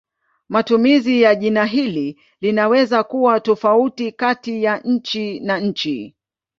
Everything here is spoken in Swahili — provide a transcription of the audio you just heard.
Matumizi ya jina hili linaweza kuwa tofauti kati ya nchi na nchi.